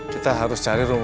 kita harus cari rumah